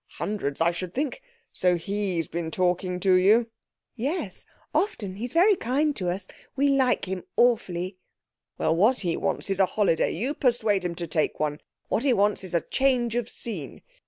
"Hundreds, I should think. So he's been talking to you?" "Yes, often. He's very kind to us. We like him awfully." "Well, what he wants is a holiday; you persuade him to take one. What he wants is a change of scene.